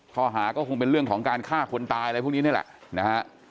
ข้อหาก็คงเป็นเรื่องของการฆ่าคนตายอะไรพวกนี้นี่แหละนะฮะ